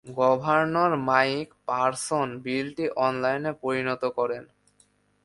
Governor Mike Parson বিলটি আইনে পরিণত করেন।